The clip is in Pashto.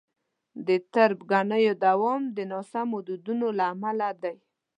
د تربګنیو دوام د ناسمو دودونو له امله دی.